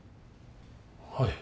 はい。